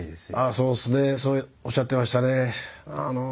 そうっすねそうおっしゃってましたね。